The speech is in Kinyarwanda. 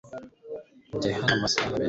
Ngiye hano amasaha abiri.